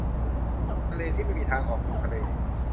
ทะเลที่ไม่มีทางออกสู่ทะเล